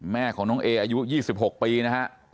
แม่ของน้องเออายุ๒๖ปีนะฮะ